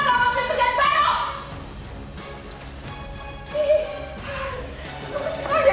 kalau ada kerjaan baru